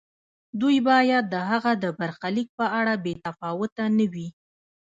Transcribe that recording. دوی باید د هغه د برخلیک په اړه بې تفاوت نه وي.